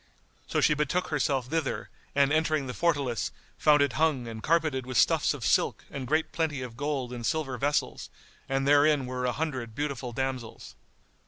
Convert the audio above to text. So she betook herself thither and entering the fortalice, found it hung and carpeted with stuffs of silk and great plenty of gold and silver vessels; and therein were an hundred beautiful damsels.